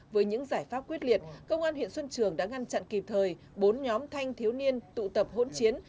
với những giải pháp quyết liệt công an huyện xuân trường đã ngăn chặn kịp thời bốn nhóm thanh thiếu niên tụ tập hỗn chiến